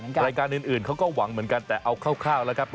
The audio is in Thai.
รายการอื่นเขาก็หวังเหมือนกันแต่เอาคร่าวแล้วครับ